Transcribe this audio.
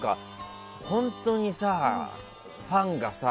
本当にさ、ファンがさ